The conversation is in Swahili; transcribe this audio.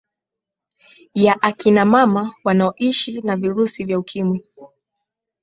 ya akina mama wanaoshi na virusi vya ukimwi